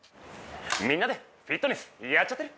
みんなでフィットネスやっちゃってる？